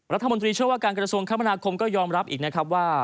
รัฐมนตรีเช่าว่าการกรรมคมก็ยอมรับอีกนะครับว่า